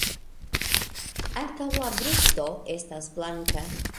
Ankaŭ la brusto estas blanka.